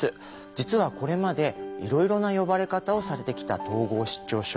実はこれまでいろいろな呼ばれ方をされてきた統合失調症。